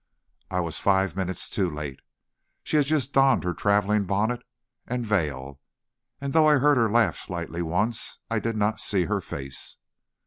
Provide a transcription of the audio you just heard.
I was five minutes too late. She had just donned her traveling bonnet and veil, and though I heard her laugh slightly once, I did not see her face.